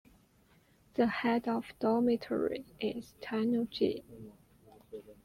The head of dormitory is Tennouji.